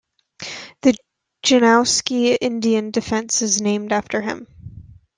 The Janowski Indian Defense is named after him.